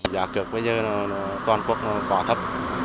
giá cực bây giờ toàn quốc quá thấp